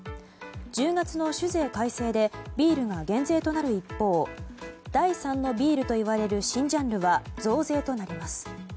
１０月の酒税改正でビールが減税となる一方第３のビールといわれる新ジャンルは増税となります。